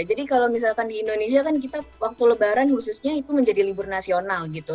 jadi kalau misalkan di indonesia kan kita waktu lebaran khususnya itu menjadi libur nasional gitu